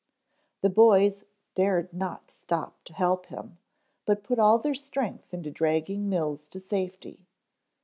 The boys dared not stop to help him, but put all their strength into dragging Mills to safety.